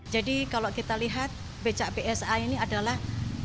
jadi kalau kita lihat beca psa ini adalah